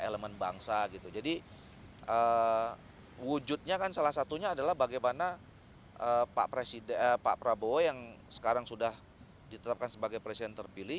elemen bangsa gitu jadi wujudnya kan salah satunya adalah bagaimana pak prabowo yang sekarang sudah ditetapkan sebagai presiden terpilih